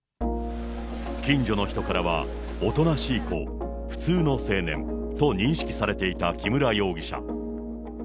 近所の人からはおとなしい子、普通の青年と認識されていた木村容疑者。